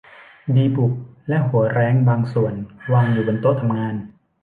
ดีบุกและหัวแร้งบางส่วนวางอยู่บนโต๊ะทำงาน